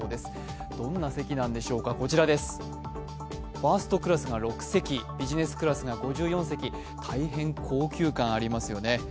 ファーストクラスが６席、ビジネスクラスが５４席、大変高級感ありますよね。